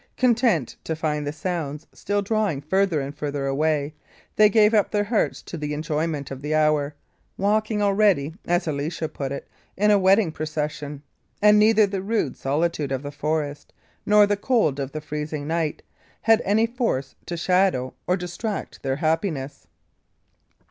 Content to find the sounds still drawing farther and farther away, they gave up their hearts to the enjoyment of the hour, walking already, as Alicia put it, in a wedding procession; and neither the rude solitude of the forest, nor the cold of the freezing night, had any force to shadow or distract their happiness.